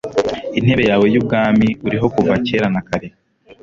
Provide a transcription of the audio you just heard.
intebe yawe y'ubwami uriho kuva kera na kare